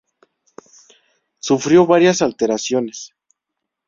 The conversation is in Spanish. Sufrió varias alteraciones.